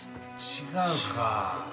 違うかあ。